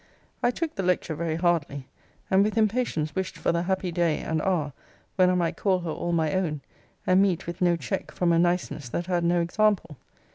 I took the lecture very hardly; and with impatience wished for the happy day and hour when I might call her all my own, and meet with no check from a niceness that had no example.